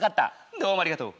どうもありがとう。